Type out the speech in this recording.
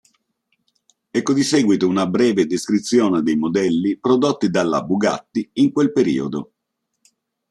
Ecco di seguito una breve descrizione dei modelli prodotti dalla Bugatti in quel periodo.